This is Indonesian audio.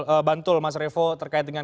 kita bantul mas revo terkait dengan